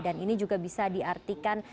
dan ini juga bisa diartikan